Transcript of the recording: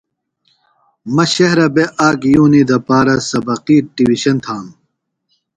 مہ شہرہ بےۡ آک یُونی دپارہ سبقی ٹِیوشن تھانوۡ۔